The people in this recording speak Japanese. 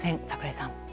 櫻井さん。